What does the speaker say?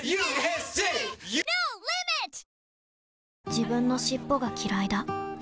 自分の尻尾がきらいだ